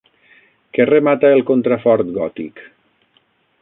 Què remata el contrafort gòtic?